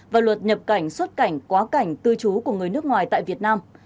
và luật nhập cảnh xuất cảnh quá cảnh tư chú của người nước ngoài tại việt nam